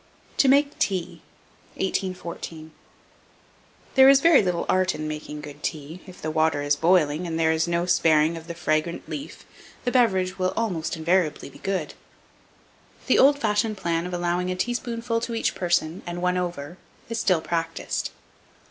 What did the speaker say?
TO MAKE TEA. 1814. There is very little art in making good tea; if the water is boiling, and there is no sparing of the fragrant leaf, the beverage will almost invariably be good. The old fashioned plan of allowing a teaspoonful to each person, and one over, is still practised.